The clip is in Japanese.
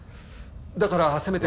だからせめて。